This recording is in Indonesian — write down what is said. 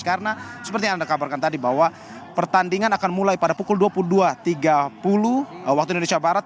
karena seperti anda kabarkan tadi bahwa pertandingan akan mulai pada pukul dua puluh dua tiga puluh waktu indonesia barat